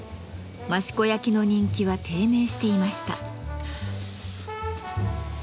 益子焼の人気は低迷していました。